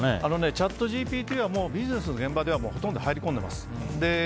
チャットＧＰＴはビジネスの現場ではほとんど入り込んでいます。